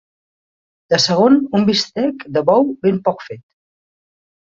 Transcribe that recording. De segon, un bistec de bou ben poc fet.